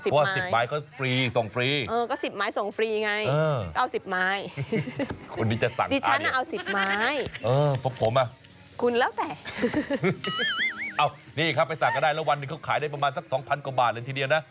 ก็สิบไม้ส่งฟรีไงก็เอาสิบไม้คุณนี่จะสั่งนะอ่ะไปสั่งกันได้แล้ววันเมื่อกี๊เขาขายได้ประมาณสัก๒๐๐๐กว่าบาทเลยทีเดียวนะ